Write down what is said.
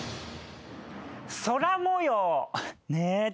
空模様。